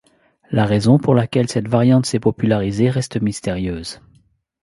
La raison pour laquelle cette variante s'est popularisée reste mystérieuse.